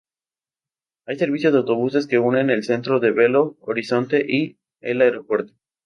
Hay servicios de autobuses que unen el centro de Belo Horizonte y el aeropuerto.